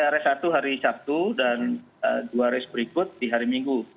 race satu hari sabtu dan dua race berikut di hari minggu